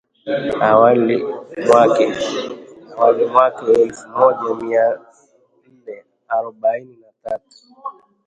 AWAL MWAKA ELFU MOJA MIA NNE AROBAINI NA TATU